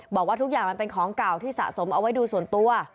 บอกว่าทุกอย่างมันเป็นของเก่าที่สะสมเอาไว้ดูส่วนตัว